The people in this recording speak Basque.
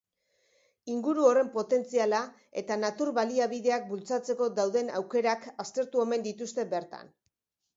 Inguru horren potentziala eta natur baliabideak bultzatzeko dauden aukerak aztertu omen dituzte bertan.